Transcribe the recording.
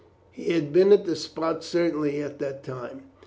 He had been at the spot certainly at the time.